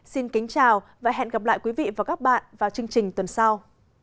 xin kính chào và hẹn gặp lại quý vị và các bạn vào chương trình tuần sau